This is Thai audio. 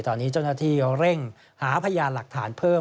ตอนนี้ช่วงนาธิเร่งหาพยานหลักฐานเพิ่ม